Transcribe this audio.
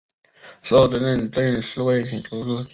死后追赠正四位品秩。